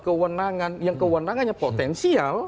kewenangan yang kewenangannya potensial